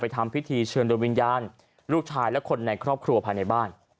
ทำพิธีเชิญโดยวิญญาณลูกชายและคนในครอบครัวภายในบ้าน